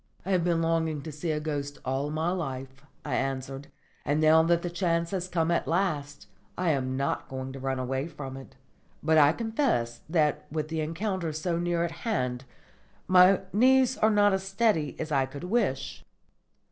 "I have been longing to see a ghost all my life," I answered; "and now that the chance has come at last, I am not going to run away from it. But I confess that with the encounter so near at hand my knees are not as steady as I could wish."